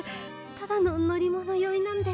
ただの乗り物酔いなんで。